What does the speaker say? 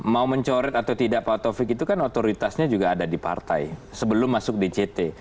mau mencoret atau tidak pak taufik itu kan otoritasnya juga ada di partai sebelum masuk dct